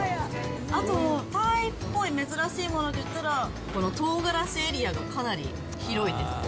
あとタイっぽい珍しいものと言ったら、この唐辛子エリアがかなり広いです。